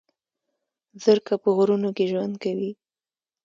زرکه په غرونو کې ژوند کوي